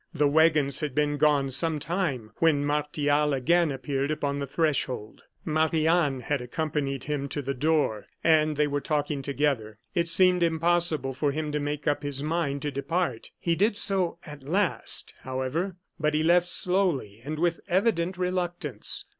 The wagons had been gone some time, when Martial again appeared upon the threshold. Marie Anne had accompanied him to the door, and they were talking together. It seemed impossible for him to make up his mind to depart. He did so, at last, however; but he left slowly and with evident reluctance.